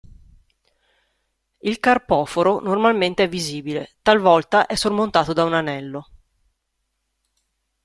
Il carpoforo normalmente è visibile; talvolta è sormontato da un anello.